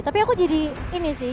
tapi aku jadi ini sih